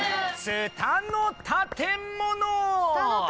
ツタの建物？